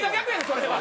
それは。